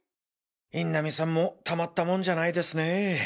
印南さんもたまったもんじゃないですねぇ。